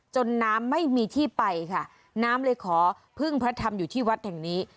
น้ำไม่มีที่ไปค่ะน้ำเลยขอพึ่งพระธรรมอยู่ที่วัดแห่งนี้